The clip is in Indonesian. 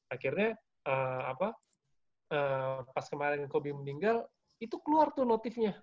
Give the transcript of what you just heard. akhirnya pas kemarin hobi meninggal itu keluar tuh notifnya